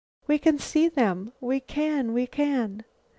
We can see them! We can! We can!"